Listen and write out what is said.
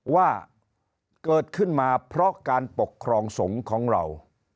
ว่าเกิดขึ้นมาเพราะการปกครองสงฆ์ของเรา